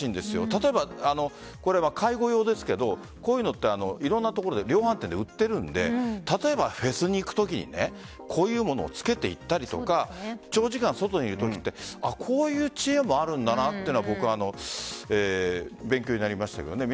例えば、介護用ですけどこういうのはいろんな量販店で売っているので例えば、フェスに行くときにこういうものを着けていったりとか長時間、外にいるときはこういう知恵もあるんだなというのは勉強になりましたけどね。